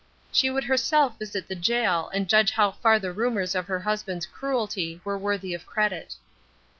She would herself visit the gaol and judge how far the rumours of her husband's cruelty were worthy of credit.